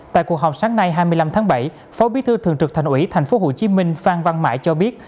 tại cuộc họp sáng nay hai mươi năm tháng bảy phó bí thư thường trực thành ủy tp hcm phan văn mãi cho biết